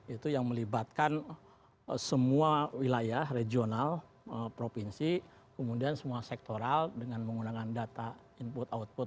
itu yang melibatkan semua wilayah regional provinsi kemudian semua sektoral dengan menggunakan data input output